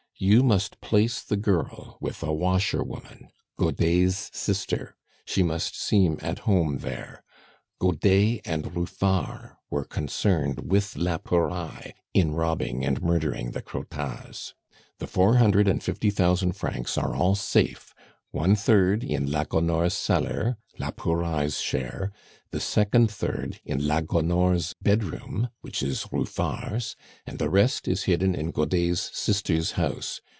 You must place the girl with a washerwoman, Godet's sister; she must seem at home there. Godet and Ruffard were concerned with la Pouraille in robbing and murdering the Crottats. "The four hundred and fifty thousand francs are all safe, one third in la Gonore's cellar la Pouraille's share; the second third in la Gonore's bedroom, which is Ruffard's; and the rest is hidden in Godet's sister's house.